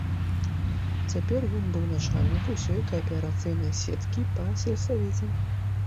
Цяпер ён быў начальнік усёй кааперацыйнай сеткі па сельсавеце.